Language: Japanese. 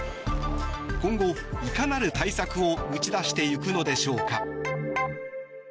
今後、いかなる対策を打ち出していくのでしょうか。